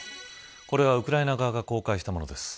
これはウクライナ側が公開したものです。